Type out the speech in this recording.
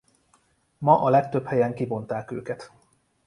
Ma a legtöbb helyen kivonták őket.